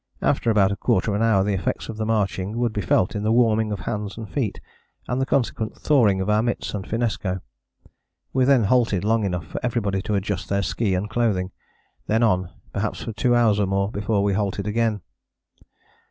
After about a quarter of an hour the effects of the marching would be felt in the warming of hands and feet and the consequent thawing of our mitts and finnesko. We then halted long enough for everybody to adjust their ski and clothing: then on, perhaps for two hours or more, before we halted again.